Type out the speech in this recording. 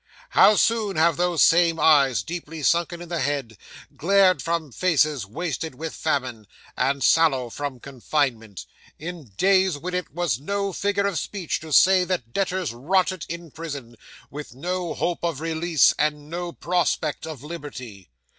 How soon have those same eyes, deeply sunken in the head, glared from faces wasted with famine, and sallow from confinement, in days when it was no figure of speech to say that debtors rotted in prison, with no hope of release, and no prospect of liberty!